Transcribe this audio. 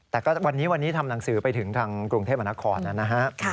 แต่ก็วันนี้วันนี้ทำหนังสือไปถึงทางกรุงเทพมนาคมนะฮะ